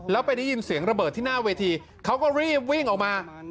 แล้วไปได้ยินเสียงระเบิดที่หน้าเวทีเขาก็รีบวิ่งออกมา